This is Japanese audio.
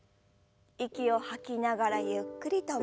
息を吐きながらゆっくりと前。